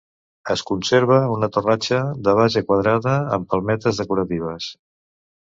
Es conserva una torratxa de base quadrada amb palmetes decoratives.